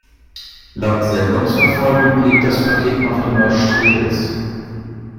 Laut Sendungsverfolgung liegt das Paket noch in Neustrelitz.